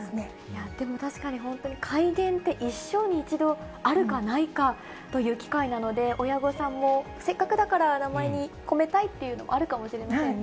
確かに本当に、改元って一生に一度あるかないかという機会なので、親御さんも、せっかくだから名前に込めたいっていうの、あるかもしれませんね。